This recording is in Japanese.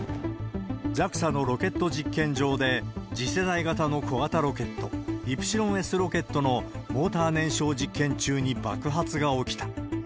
ＪＡＸＡのロケット実験場で、次世代型の小型ロケット、イプシロンＳロケットのモーター燃焼実験中に爆発が起きた。